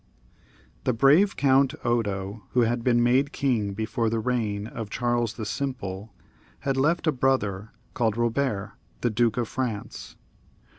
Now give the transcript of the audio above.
The brave Count Odo, who had been made king before the reign of Charlea the Simple, had left a brother, called Robert, the Duke of France.